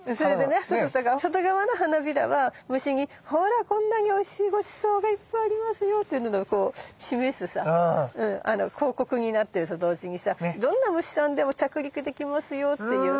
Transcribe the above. そうそだから外側の花びらは虫にほらこんなにおいしいごちそうがいっぱいありますよっていうのこう示すさ広告になってんのと同時にさどんな虫さんでも着陸できますよっていうヘリポートにもなってて。